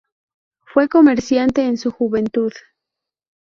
Fue comerciante en su juventud.